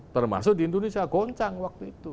termasuk di indonesia goncang waktu itu